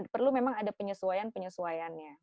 perlu memang ada penyesuaian penyesuaiannya